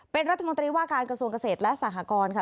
เป็นรัฐมนตรีว่าการกระทรวงเกษตรและสหกรณ์ค่ะ